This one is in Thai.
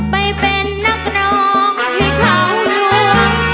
ไปเป็นนักนอกให้เข้าร่วง